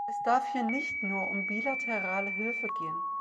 Es darf hier nicht nur um bilaterale Hilfe gehen.